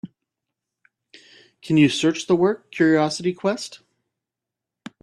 Can you search the work, Curiosity Quest?